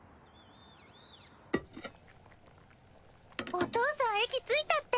お父さん駅着いたって。